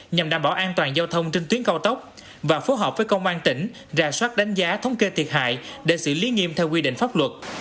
nhằm đảm bảo an toàn giao thông trên tuyến cao tốc và phối hợp với công an tỉnh ra soát đánh giá thống kê thiệt hại để xử lý nghiêm theo quy định pháp luật